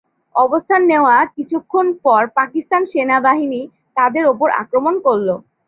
অবস্থান নেওয়ার কিছুক্ষণ পর পাকিস্তান সেনাবাহিনী তাদের ওপর আক্রমণ করল।